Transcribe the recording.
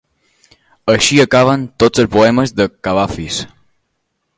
Així acaben tots els poemes de Cavafis.